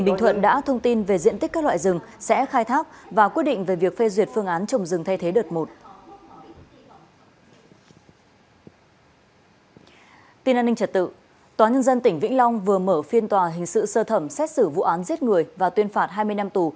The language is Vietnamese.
nhân dân tỉnh vĩnh long vừa mở phiên tòa hình sự sơ thẩm xét xử vụ án giết người và tuyên phạt hai mươi năm tù